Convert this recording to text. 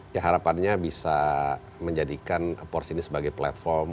ya harapannya bisa menjadikan force ini sebagai platform